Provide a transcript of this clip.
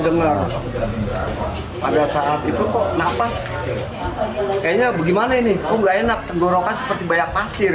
dengar pada saat itu kok nafas kayaknya gimana ini kok enak tenggorokan seperti bayak pasir